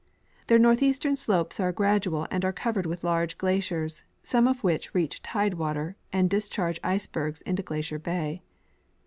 Their northeastern slopes are gradual and are covered with large glaciers, some of which reach tide water and discharge icebergs into Glacier bay.